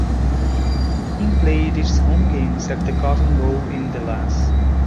The team played its home games at the Cotton Bowl in Dallas.